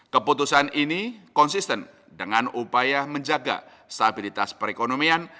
keputusan ini konsisten dengan upaya menjaga stabilitas perekonomian